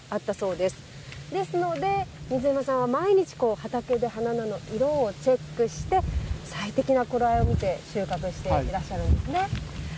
ですので、水山さんは毎日畑で花菜の色をチェックして最適な頃合いを見て収穫していらっしゃるんですね。